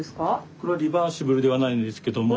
これはリバーシブルではないんですけども。